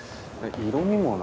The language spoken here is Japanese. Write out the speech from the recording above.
色味もな。